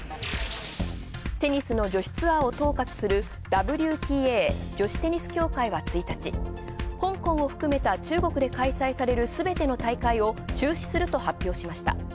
テニスの女子ツアーを統括するＷＴＡ＝女子テニス協会は１日、香港を含めた中国で開催されるすべての大会を中止すると発表しました。